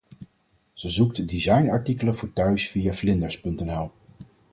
Ze zoekt designartikelen voor thuis via Flinders.nl.